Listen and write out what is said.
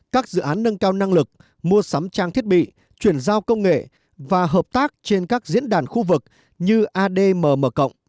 các dự án nâng cao năng lực mua sắm trang thiết bị chuyển giao công nghệ và hợp tác trên các diễn đàn khu vực như admm